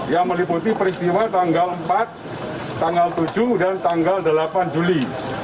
yang meliputi peristiwa tanggal empat tanggal tujuh dan tanggal delapan juli